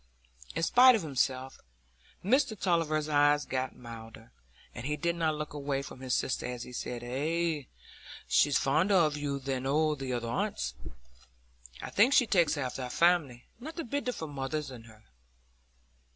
In spite of himself, Mr Tulliver's eyes got milder, and he did not look away from his sister as he said,— "Ay; she's fonder o' you than o' the other aunts, I think. She takes after our family: not a bit of her mother's in her."